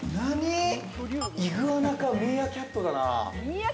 イグアナかミーアキャットだな。